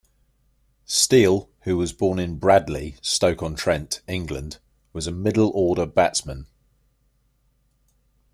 Steele, who was born in Bradeley, Stoke-on-Trent, England, was a middle-order batsman.